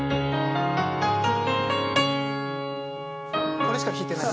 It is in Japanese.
これしか弾いてない。